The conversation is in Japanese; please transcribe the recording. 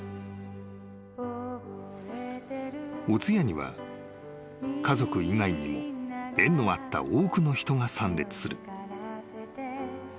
［お通夜には家族以外にも縁のあった多くの人が参列する］